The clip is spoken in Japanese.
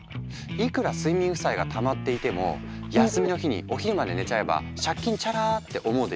「いくら睡眠負債がたまっていても休みの日にお昼まで寝ちゃえば借金チャラ」って思うでしょ？